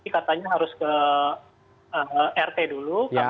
katanya harus ke rt dulu